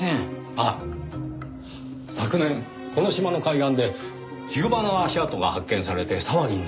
あっ昨年この島の海岸でヒグマの足跡が発見されて騒ぎになったそうですね。